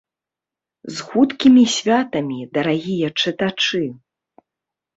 З хуткімі святамі, дарагія чытачы!